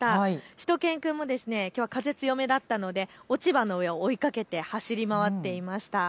しゅと犬くんもきょう風強めだったので落ち葉の上を追いかけて走り回っていました。